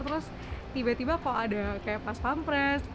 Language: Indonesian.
terus tiba tiba kok ada kayak pas pampres